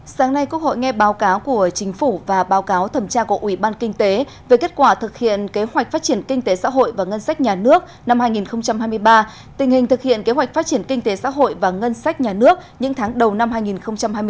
sáng nay quốc hội nghe báo cáo của chính phủ và báo cáo thẩm tra của ủy ban kinh tế về kết quả thực hiện kế hoạch phát triển kinh tế xã hội và ngân sách nhà nước năm hai nghìn hai mươi ba tình hình thực hiện kế hoạch phát triển kinh tế xã hội và ngân sách nhà nước những tháng đầu năm hai nghìn hai mươi bốn